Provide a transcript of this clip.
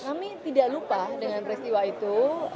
kami tidak lupa dengan peristiwa itu